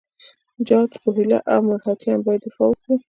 جاټ، روهیله او مرهټیان باید دفاع وکړي.